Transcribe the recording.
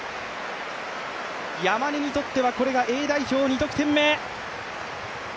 山根にとってはこれがＡ代表、２得点目。